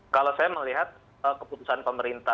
kalau saya melihat keputusan pemerintah